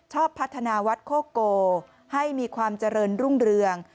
ชอบพัฒนาวัดโคโกให้มีความเจริญรุ่งเรือง